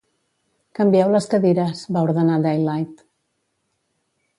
Canvieu les cadires, va ordenar Daylight.